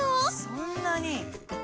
そんなに！